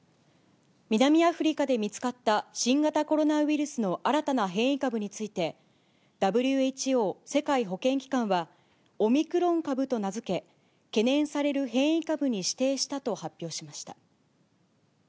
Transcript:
南アフリカで見つかった、新型コロナウイルスの新たな変異株について、ＷＨＯ・世界保健機関は、オミクロン株と名付け、懸念される変異株に指定したと発表しました。